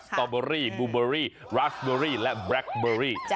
ตอเบอรี่บูเบอรี่ราสเบอรี่และแบล็คเบอรี่